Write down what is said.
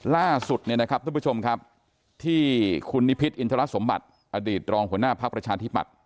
ล่าสุดที่คุณนิพิษอินทรัศน์สมบัติอดีตรองหัวหน้าภาคประชาธิปัตธ์